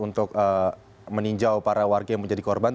untuk meninjau para warga yang menjadi korban